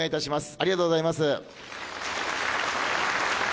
ありがとうございます。